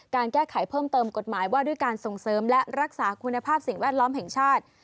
การแก้ไขเพิ่มเติมกฎหมายว่าด้วยการส่งเสริมและรักษาคุณภาพสิ่งแวดล้อมแห่งชาติ